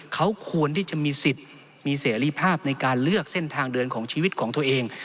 เขาควรที่จะมีสิทธิ์มีเสรีภาพในการเลือกเส้นทางเดินของชีวิตของตัวเอง